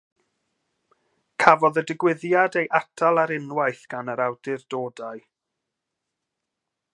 Cafodd y digwyddiad ei atal ar unwaith gan yr awdurdodau.